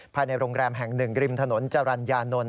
ภายในโรงแรมแห่งหนึ่งริมถนนจรรยานนท